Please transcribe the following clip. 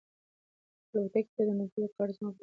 الوتکې ته د ننوتلو کارت زما په لاس کې پاتې و.